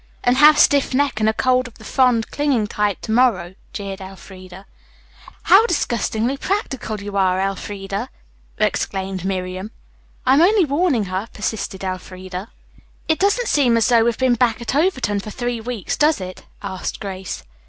"And have stiff neck and a cold of the fond, clinging type, to morrow," jeered Elfreda. "How disgustingly practical you are, Elfreda!" exclaimed Miriam. "I'm only warning her," persisted Elfreda. "It doesn't seem as though we'd been back at Overton for three weeks, does it?" asked Grace.